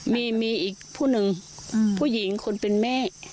มีมีอีกผู้หนึ่งผู้หญิงคนเป็นแม่